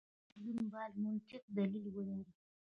هر بدلون باید منطقي دلیل ولري.